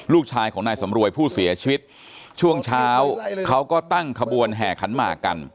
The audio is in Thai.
ลูกชายของนายสำรวยผู้เสียชีวิตช่วงเช้าเขาก็ตั้งขบวนแห่ขันหมากกัน